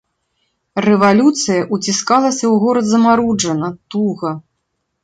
Рэвалюцыя ўціскалася ў горад замаруджана, туга.